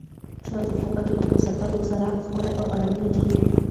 ژوند د ښو اړیکو په ساتلو سره ښکلی او ارام کېږي.